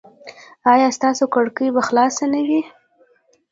ایا ستاسو کړکۍ به خلاصه نه وي؟